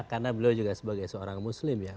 karena beliau juga sebagai seorang muslim ya